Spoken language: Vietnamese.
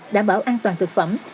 đảm bảo an toàn thực phẩm